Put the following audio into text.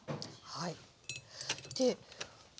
はい。